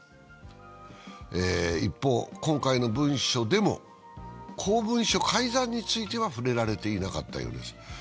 一方、今回の文書でも公文書改ざんについては触れられていなかったようです。